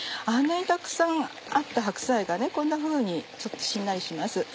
あんなにたくさんあった白菜がこんなふうにちょっとしんなりします。